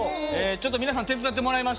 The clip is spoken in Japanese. ちょっと皆さん手伝ってもらいまして。